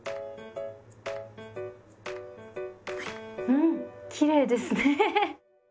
うんきれいですね。